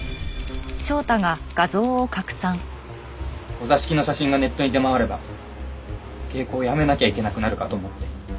お座敷の写真がネットに出回れば芸妓を辞めなきゃいけなくなるかと思って。